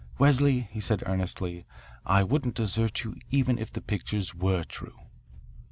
"Wesley," he said earnestly, "I wouldn't desert you even if the pictures were true."